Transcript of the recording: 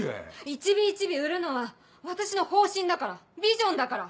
一尾一尾売るのは私の方針だからビジョンだから！